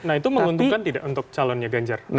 nah itu menguntungkan tidak untuk calonnya ganjar